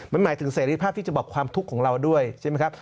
มันหมายถึงเสรีภาพที่จะบอกความทุกข์ของเราด้วยใช่ไหมครับ